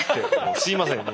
すいません。